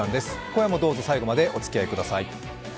今夜もどうぞ最後までおつきあいください。